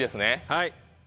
はい。